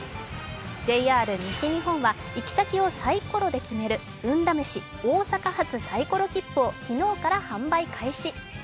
ＪＲ西日本は行き先をサイコロで決める運試し大阪発サイコロきっぷを昨日から販売開始。